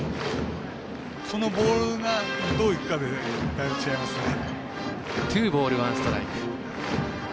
このボールがどういくかでだいぶ違いますね。